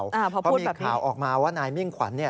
พอพูดแบบนี้เพราะมีข่าวออกมาว่านายมิ่งขวัญ